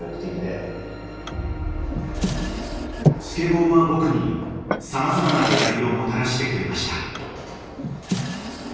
スケボーは僕にさまざまな出会いをもたらしてくれました。